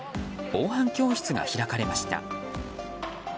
防犯教室が開かれました。